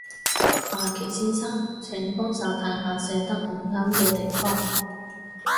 阿祁先生，請幫手睇下寫得唔啱嘅地方